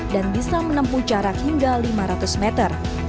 dan bisa menempuh jarak hingga lima ratus meter